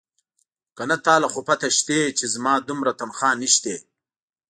که نه تا له خو پته شتې چې زما دومره تنخواه نيشتې.